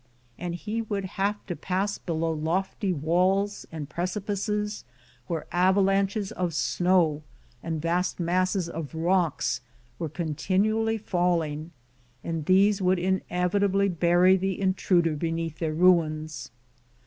And he would have to pass below lofty walls and precipices whence avalanches of snow and vast masses of rocks were continually falling ; and these would inevitably bury the intruder beneath their ruins.